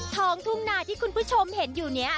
ทุ่งนาที่คุณผู้ชมเห็นอยู่เนี่ย